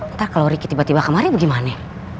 ntar kalo riki tiba tiba kemarin gimana